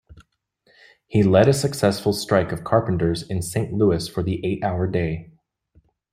He led a successful strike of carpenters in Saint Louis for the eight-hour day.